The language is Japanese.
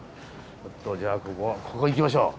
ちょっとじゃあここ行きましょう